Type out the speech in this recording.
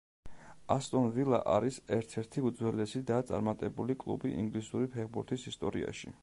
ასტონ ვილა არის ერთ-ერთი უძველესი და წარმატებული კლუბი ინგლისური ფეხბურთის ისტორიაში.